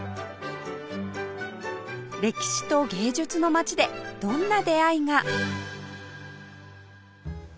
歴史と芸術の街でどんな出会いが？